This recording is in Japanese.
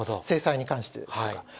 制裁に関してですとか。